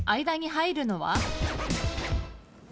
間に入るのは？